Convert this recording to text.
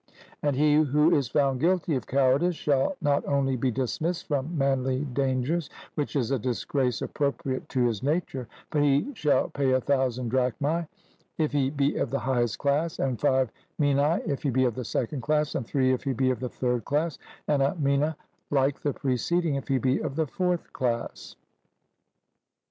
And he who is found guilty of cowardice, shall not only be dismissed from manly dangers, which is a disgrace appropriate to his nature, but he shall pay a thousand drachmae, if he be of the highest class, and five minae if he be of the second class, and three if he be of the third class, and a mina, like the preceding, if he be of the fourth class.